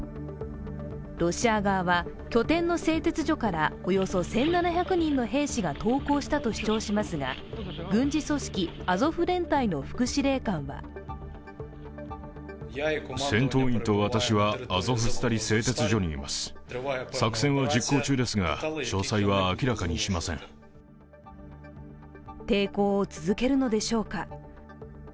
ロシア側は拠点の製鉄所から、およそ１７００人の兵士が投降したと主張しますが、軍事組織アゾフ連隊の副司令官は抵抗を続けるのでしょうか。